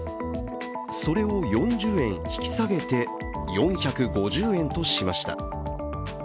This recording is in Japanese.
それを４０円引き下げて４５０円としました。